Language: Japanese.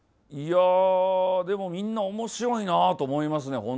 いやでもみんな面白いなあと思いますね。